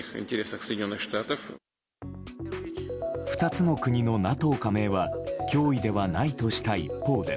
２つの国のＮＡＴＯ加盟は脅威ではないとした一方で